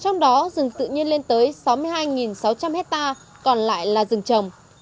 trong đó rừng tự nhiên lên tới sáu mươi hai sáu trăm linh hectare còn lại là rừng trồng